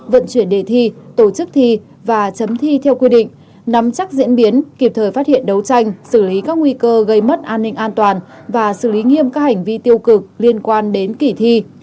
vận chuyển đề thi tổ chức thi và chấm thi theo quy định nắm chắc diễn biến kịp thời phát hiện đấu tranh xử lý các nguy cơ gây mất an ninh an toàn và xử lý nghiêm các hành vi tiêu cực liên quan đến kỷ thi